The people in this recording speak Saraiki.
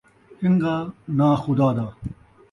چن٘ڳا ناں خدا دا